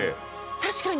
確かに。